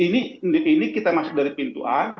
ini kita masuk dari pintu a